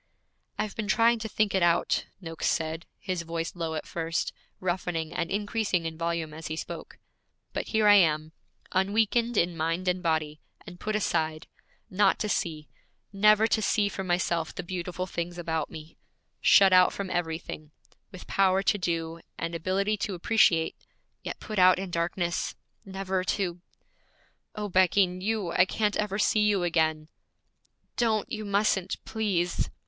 'I've been trying to think it out,' Noakes said, his voice low at first, roughening and increasing in volume as he spoke, 'but here I am, unweakened in mind and body, and put aside Not to see, never to see for myself the beautiful things about me; shut out from everything; with power to do, and ability to appreciate, yet put out in darkness; never to O Becky, you, I can't ever see you again!' 'Don't! You mustn't, please!'